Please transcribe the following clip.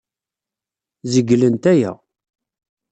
Zeglent aya.